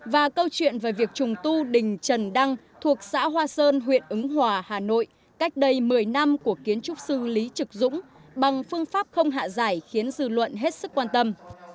và câu chuyện về việc trùng tu đình trần đăng thuộc xã hoa sơn huyện ứng hòa hà nội cách đây một mươi năm của kiến trúc sư lý trực dũng bằng phương pháp không hạ giải khiến dư luận hết sức quan tâm